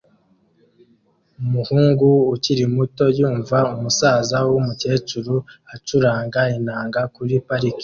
Umuhungu ukiri muto yumva umusaza wumukecuru ucuranga inanga kuri parike